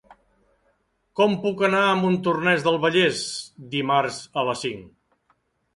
Com puc anar a Montornès del Vallès dimarts a les cinc?